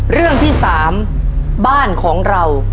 เรื่องที่๓บ้านของเรา